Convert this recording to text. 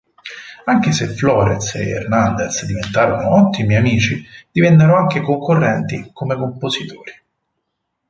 Anche se Flores e Hernández diventarono ottimi amici, divennero anche concorrenti come compositori.